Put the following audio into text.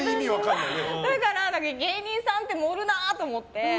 だから、芸人さんって盛るなって思って。